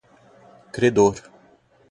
credor